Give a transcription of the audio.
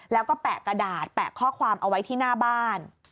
แล้วก็แปะกระดาษแปะข้อความเอาไว้ที่หน้าบ้าน